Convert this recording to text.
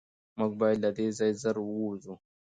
موږ باید له دې ځایه زر ووځو.